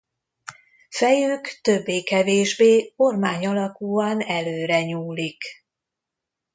Fejük többé-kevésbé ormány alakúan előre nyúlik.